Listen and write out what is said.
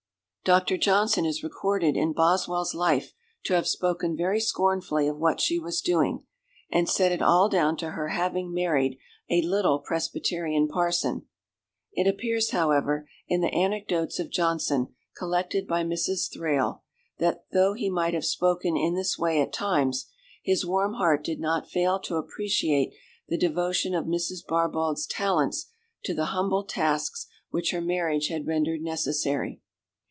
Dr. Johnson is recorded in Boswell's life to have spoken very scornfully of what she was doing, and set it all down to her having married a "little Presbyterian parson." It appears, however, in the anecdotes of Johnson, collected by Mrs. Thrale, that though he might have spoken in this way at times, his warm heart did not fail to appreciate the devotion of Mrs. Barbauld's talents to the humble tasks which her marriage had rendered necessary.